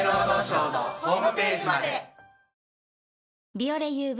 「ビオレＵＶ」